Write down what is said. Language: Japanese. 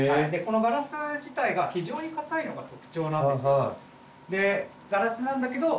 このガラス自体が非常に硬いのが特徴なんですよ。